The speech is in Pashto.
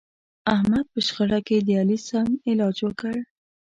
احمد په شخړه کې د علي سم علاج وکړ.